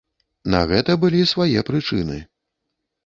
На гэта былі свае прычыны.